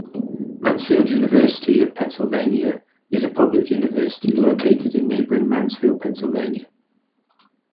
Mansfield University of Pennsylvania is a public university located in neighboring Mansfield, Pennsylvania.